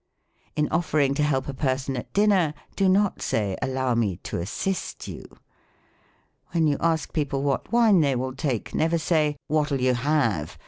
In offering to help a person at dinner, do not say, " Allow me to assist you." When you ask people what wine they will take, never say, " What'll you have ?"